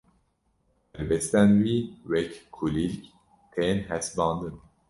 helbestên wî wek kulîlk tên hesibandin